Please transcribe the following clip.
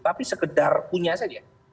tapi sekedar punya saja